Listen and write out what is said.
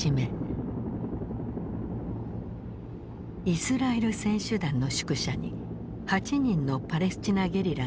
イスラエル選手団の宿舎に８人のパレスチナ・ゲリラが侵入。